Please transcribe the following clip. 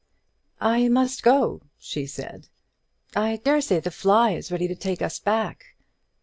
"I must go," she said; "I dare say the fly is ready to take us back.